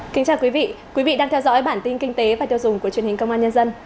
kính chào quý vị quý vị đang theo dõi bản tin kinh tế và tiêu dùng của truyền hình công an nhân dân